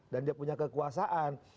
dan dia punya kekuasaan